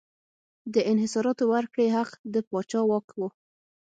د انحصاراتو ورکړې حق د پاچا واک و.